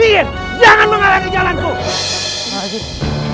jangan mengalami jalanku